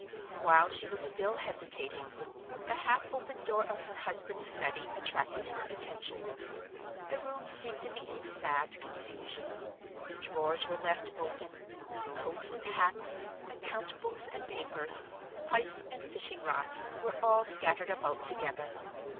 While she was still hesitating, the half open door of her husband's study attracted her attention. The room seemed to be in sad confusion. Drawers were left open; coats and hats, account books and papers, pipes and fishing rods were all scattered about together.